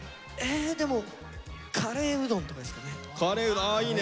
でもカレーうどんとかですかね。